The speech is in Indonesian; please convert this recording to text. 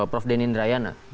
prof denin rayana